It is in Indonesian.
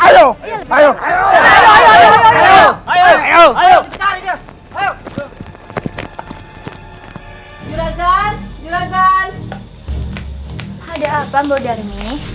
ada apa mbak darmi